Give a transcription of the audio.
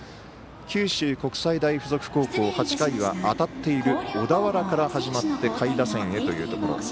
九州国際大付属高校、８回は当たっている小田原から始まって下位打線へというところ。